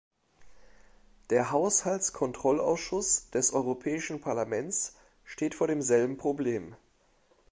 Der Haushaltskontrollausschuss des Europäischen Parlaments steht vor demselben Problem.